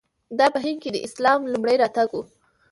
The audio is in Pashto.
دا په هند کې د اسلام لومړی راتګ و.